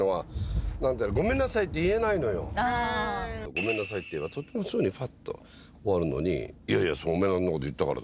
「ごめんなさい」って言えばすぐにファっと終わるのに「いやいやおめぇがあんなこと言ったからだろ」。